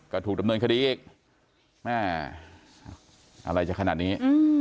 ก็ถูกดำเนินคดีอีกแม่อะไรจะขนาดนี้